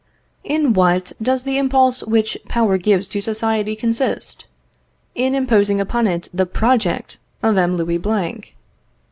In what does the impulse which power gives to society consist? In imposing upon it the project of M. Louis Blanc.